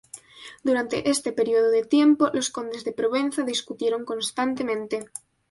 Durante este periodo de tiempo, los condes de Provenza discutieron constantemente.